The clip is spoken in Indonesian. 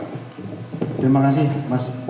terima kasih mas